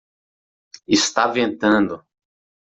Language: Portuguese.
Está ventando.